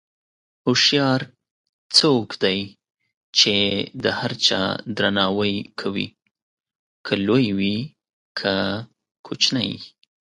هوښیار څوک دی چې د هر چا درناوی کوي، که لوی وي که کوچنی.